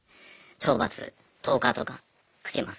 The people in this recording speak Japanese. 懲罰１０日とかかけます。